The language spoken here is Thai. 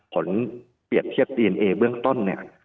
ผลเปรียบเทียบดีเนอีเบื้องต้น